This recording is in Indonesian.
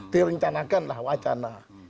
direncanakan lah wacana